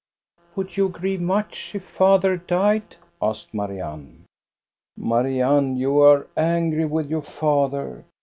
"Would you grieve much if father died?" asked Marianne. " Marianne, you are angry with your father.